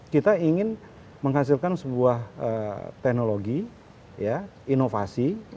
kita ingin menghasilkan sebuah teknologi ya inovasi